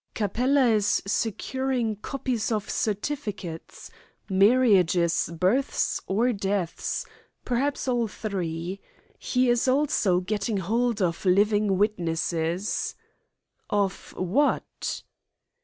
"Capella is securing copies of certificates marriages, births, or deaths; perhaps all three. He is also getting hold of living witnesses." "Of what?"